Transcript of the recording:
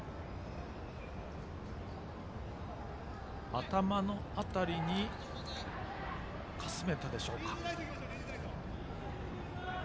頭の辺りをかすめたでしょうか。